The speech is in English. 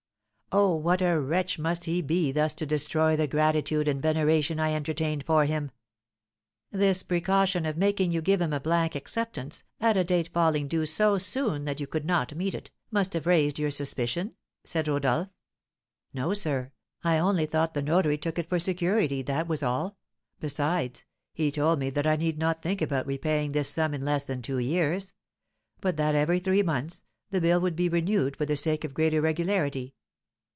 Oh, what a wretch must he be thus to destroy the gratitude and veneration I entertained for him!" "This precaution of making you give him a blank acceptance, at a date falling due so soon that you could not meet it, must have raised your suspicion?" said Rodolph. "No, sir, I only thought the notary took it for security, that was all; besides, he told me that I need not think about repaying this sum in less than two years; but that, every three months, the bill should be renewed for the sake of greater regularity.